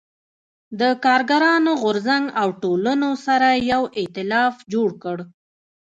د کارګرانو غو رځنګ او ټولنو سره یو اېتلاف جوړ کړ.